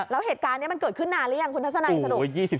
แล้วเหตุการณ์นี้มันเกิดขึ้นนานหรือยังคุณทัศนัยสรุป